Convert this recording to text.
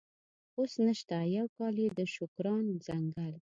اوس نشته، یو کال یې د شوکران ځنګل.